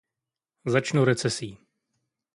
Začnu recesí.